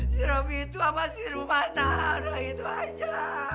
si robi itu apa si rumana udah gitu aja